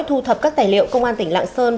thu thập các tài liệu công an tỉnh lạng sơn